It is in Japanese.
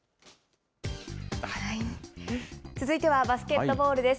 続いてはバスケットボールです。